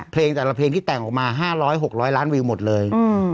เพลงแต่ละเพลงที่แต่งออกมาห้าร้อยหกร้อยล้านวิวหมดเลยอืม